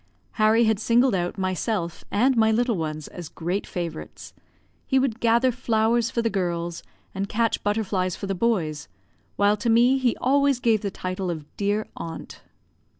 Harry had singled out myself and my little ones as great favourites. He would gather flowers for the girls, and catch butterflies for the boys; while to me he always gave the title of "dear aunt."